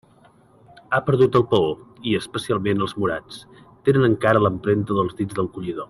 Ha perdut el paó, i, especialment els morats, tenen encara l'empremta dels dits del collidor.